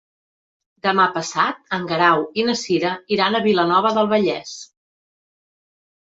Demà passat en Guerau i na Cira iran a Vilanova del Vallès.